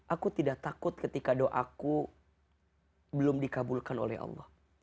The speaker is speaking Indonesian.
aku tidak takut ketika doaku belum dikabulkan oleh allah